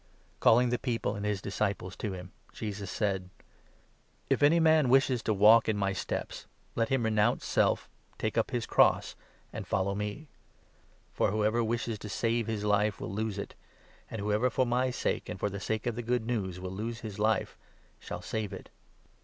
A can Calling the people and his disciples to him, 34 to renounce JeSUS Said : Self. « if any man wishes to walk in my steps, let him renounce self, take up his cross, and follow me. For 35 whoever wishes to save his life will lose it, and whoever, for my sake and for the sake of the Good News, will lose his life shall save it.